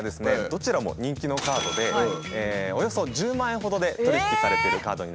どちらも人気のカードでおよそ１０万円ほどで取り引きされてるカードになります。